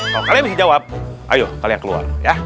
kalau kalian bisa jawab ayo kalian keluar ya